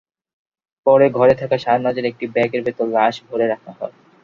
পরে ঘরে থাকা শাহনাজের একটি ব্যাগের ভেতর লাশ ভরে রাখা হয়।